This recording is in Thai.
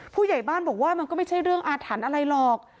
ผู้ใหญ่บ้านบอกว่ามันก็ไม่ใช่เรื่องอาถรรพ์อะไรหรอก